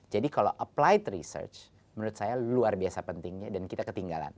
jadi kalau applied research menurut saya luar biasa pentingnya dan kita ketinggalan